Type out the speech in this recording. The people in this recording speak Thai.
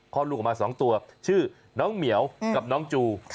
ลูกออกมา๒ตัวชื่อน้องเหมียวกับน้องจู